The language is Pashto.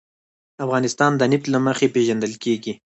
افغانستان د نفت له مخې پېژندل کېږي.